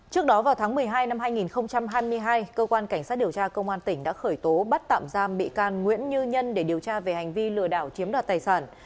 trước đó vào tháng một mươi hai năm hai nghìn hai mươi hai cơ quan cảnh sát điều tra công an tỉnh đã khởi tố bắt tạm giam bị can nguyễn như nhân để điều tra về hành vi lừa đảo chiếm đoạt tài sản